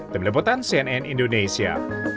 teman teman cnn indonesia